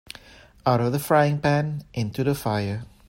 Out of the frying pan into the fire.